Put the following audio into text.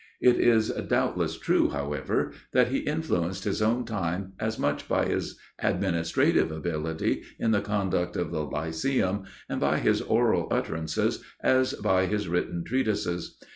It is doubtless true, however, that he influenced his own time as much by his administrative ability in the conduct of the Lyceum and by his oral utterances as by his written treatises.